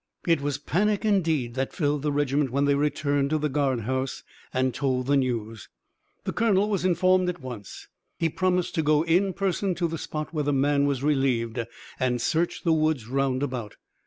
It was panic indeed that filled the regiment when they returned to the guard house and told the news. The colonel was informed at once. He promised to go in person to the spot when the man was relieved, and search the woods round about.